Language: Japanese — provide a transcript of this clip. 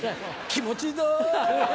気持ちいいぞ！